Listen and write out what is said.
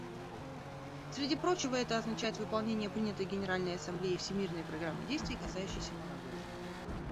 Среди прочего, это означает выполнение принятой Генеральной Ассамблеей Всемирной программы действий, касающейся молодежи.